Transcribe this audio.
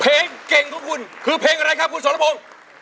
เพลงเก่งของคุณคือเพลงอะไรครับคุณสรพงศ์